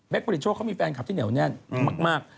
ผลิตโชคเขามีแฟนคลับที่เหนียวแน่นมาก